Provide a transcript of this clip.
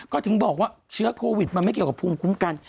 ก็ถึงบอกว่าเชื้อโควิดมันไม่เกี่ยวกับภูมิคุ้มกัน